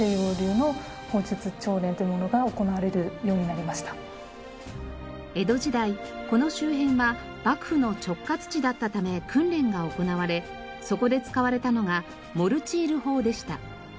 幕末ですね江戸時代この周辺は幕府の直轄地だったため訓練が行われそこで使われたのがモルチール砲でした。